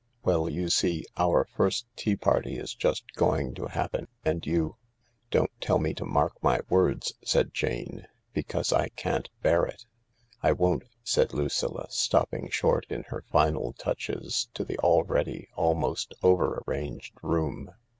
" Well, you see, our first tea party is just going to happen. And you ..."" Don't tell me to mark your words," said Jane, " because I can't bear it." " I won't," said Lucilla, stopping short in her final touches to the already almost over arranged room.